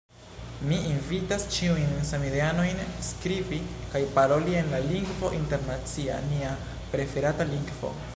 Mi invitas ĉiujn samideanojn skribi kaj paroli en la lingvo internacia, nia preferata lingvo.